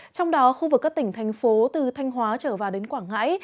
trong đó khu vực các tỉnh thành phố từ thanh hóa trở vào đến quảng ngãi